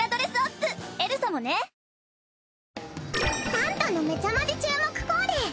タントのめちゃマジ注目コーデ！